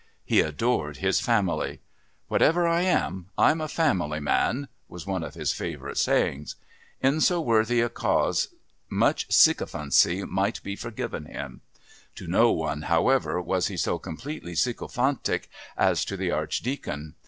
He adored his family. "Whatever I am, I'm a family man," was one of his favourite sayings. In so worthy a cause much sycophancy may be forgiven him. To no one, however, was he so completely sycophantic as to the Archdeacon.